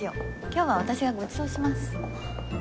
今日は私がごちそうします。